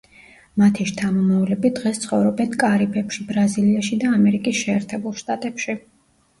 მათი შთამომავლები დღეს ცხოვრობენ კარიბებში, ბრაზილიაში და ამერიკის შეერთებულ შტატებში.